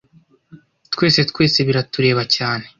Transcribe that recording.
twese twese biratureba cyane